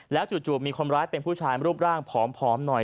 จู่มีคนร้ายเป็นผู้ชายรูปร่างผอมหน่อย